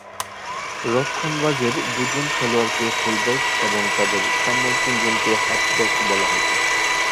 রক্ষণভাগের দুজন খেলোয়াড়কে full back এবং তাদের সামনের তিনজনকে হাফ ব্যাক বলা হতো।